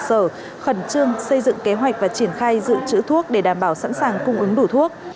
sở khẩn trương xây dựng kế hoạch và triển khai dự trữ thuốc để đảm bảo sẵn sàng cung ứng đủ thuốc